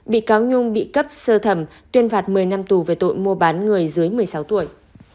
bị cáo nhung bị cấp sơ thẩm tuyên phạt một mươi năm tù về tội mua bán người dưới một mươi sáu tuổi